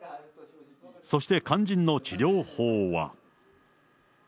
そして肝心の治療法は。